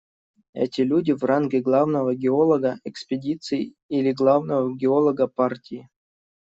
Эти люди в ранге главного геолога экспедиции или главного геолога партии.